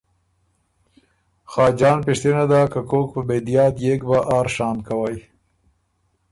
خاجان پِشتِنه داک که کوک په بېدیا ديېک بۀ آر شام کوئ۔